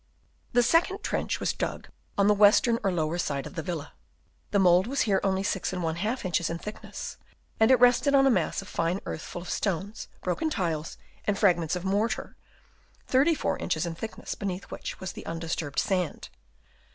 The second trench was dug on the western or lower side of the villa : the mould was here only 6| inches in thickness, and it rested on a mass of fine earth full of stones, broken tiles and fragments of mortar, 34 inches in thickness, beneath which was the undisturbed sand.